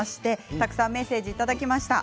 たくさん、メッセージをいただきました。